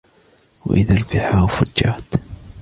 وَإِذَا الْبِحَارُ فُجِّرَتْ